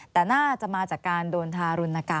แต่น่าจะมาจากการโดนทารุณกรรม